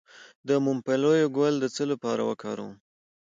د ممپلی ګل د څه لپاره وکاروم؟